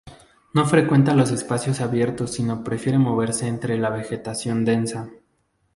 No frecuenta los espacios abiertos sino prefiere moverse entre la vegetación densa.